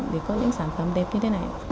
để có những sản phẩm đẹp như thế này